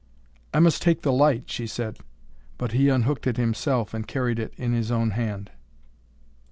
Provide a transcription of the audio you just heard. "I must take the light," she said. But he unhooked it himself, and carried it in his own hand.